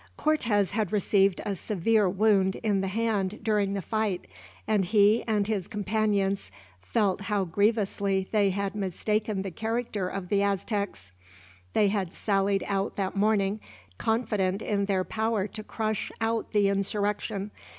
Cortez had received a severe wound in the hand during the fight, and he and his companions felt how grievously they had mistaken the character of the Aztecs. They had sallied out that morning, confident in their power to crush out the insurrection.